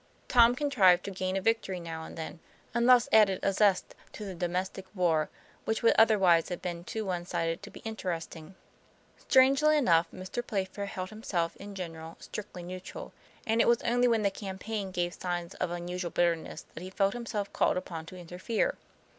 Tom contrived to gain a victory now and then, and thus added a zest to the domestic war, which would otherwise have been too one sided to be interesting. Strangely enough, Mr. Playfair held himself, in general, strictly neutral; and it was only when the campaign gave signs of unusual bit terness that he felt himself called upon to interfere.